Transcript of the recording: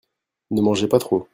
Ne mangez pas trop.